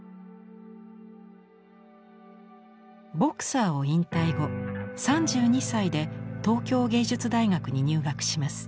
ボクサーを引退後３２歳で東京藝術大学に入学します。